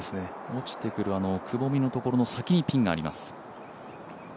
落ちてくるくぼみのところの先にピンがあります。